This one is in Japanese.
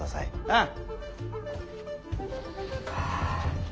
ああ。